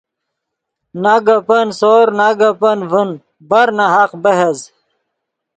نہ گپن سور نہ گپن ڤین برناحق بحث